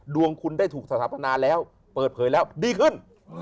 ดวงคุณได้ถูกสถาปนาแล้วเปิดเผยแล้วดีขึ้น